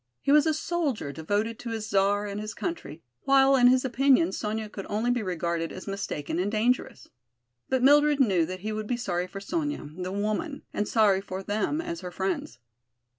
He was a soldier devoted to his Czar and his country, while in his opinion Sonya could only be regarded as mistaken and dangerous. But Mildred knew that he would be sorry for Sonya, the woman, and sorry for them as her friends.